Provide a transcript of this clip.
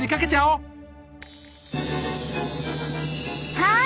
はい。